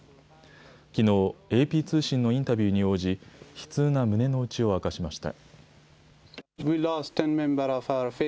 きのう、ＡＰ通信のインタビューに応じ、悲痛な胸の内を明かしました。